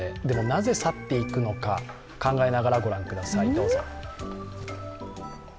でも、なぜ去っていくのか考えながら御覧ください。